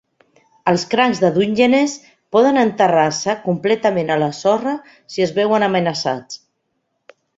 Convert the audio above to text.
Els crancs de Dungeness poden enterrar-se completament a la sorra si es veuen amenaçats.